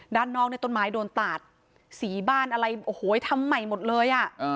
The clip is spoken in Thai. ด้านนอกต้นไม้โดนตาดสีบ้านอะไรทำใหม่หมดเลย